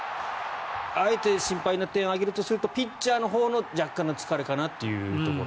あえて心配な点を挙げるとするとピッチャーのほうの若干の疲れかなというところ。